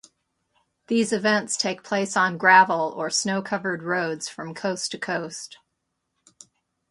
These events take place on gravel or snow-covered roads from coast to coast.